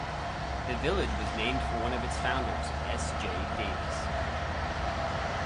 The village was named for one of its founders, S. J. Davis.